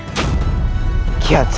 tidak lagi ada padanya